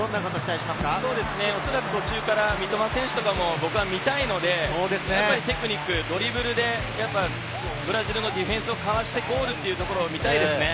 途中から三笘選手とかを僕は見たいんで、テクニック、ドリブルで、ブラジルのディフェンスをかわしてゴールっていうところを見たいですね。